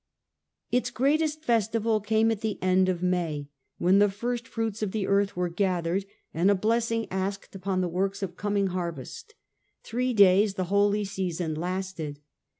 153 Its greatest festival came at the end of May, when the firstfruits of the earth w^ere gathered, and a blessing asked upon the works of coming harvest, especially Three days the holy season lasted.